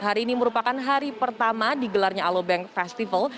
hari ini merupakan hari pertama digelarnya alobank festival